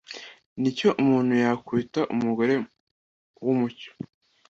Nicyo umuntu yakwita umugore wumuco